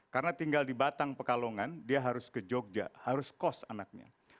karena tinggal di batang pekalongan dia harus ke jogja harus kos anaknya